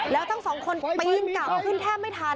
แล้วทั้งสองคนปีนกลับขึ้นแทบไม่ทัน